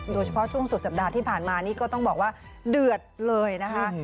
โดยเฉพาะช่วงสุดสัปดาห์ที่ผ่านมานี่ก็ต้องบอกว่าเดือดเลยนะคะ